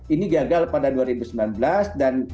ini gagal pada dua ribu sembilan belas dan